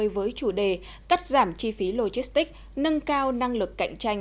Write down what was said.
với chủ đề cắt giảm chi phí logistics nâng cao năng lực cạnh tranh